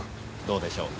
どうでしょう。